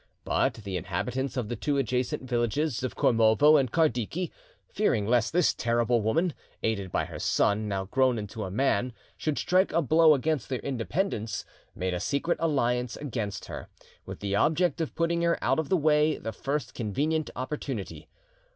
But the inhabitants of the two adjacent villages of Kormovo and Kardiki, fearing lest this terrible woman, aided by her son, now grown into a man, should strike a blow against their independence; made a secret alliance against her, with the object of putting her out of the way the first convenient opportunity.